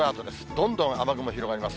どんどん雨雲広がります。